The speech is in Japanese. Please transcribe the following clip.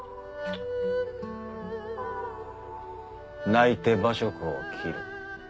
泣いて馬謖を斬る。